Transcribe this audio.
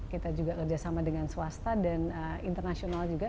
kita juga kerjasama dengan swasta dan internasional juga